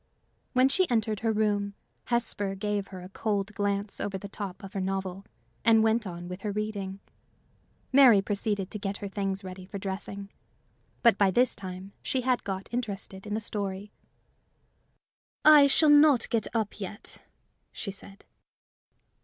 When she entered her room, Hesper gave her a cold glance over the top of her novel, and went on with her reading. Mary proceeded to get her things ready for dressing. But by this time she had got interested in the story. "I shall not get up yet," she said.